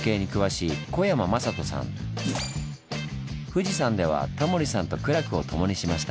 富士山ではタモリさんと苦楽を共にしました。